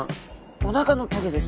おなかの棘です。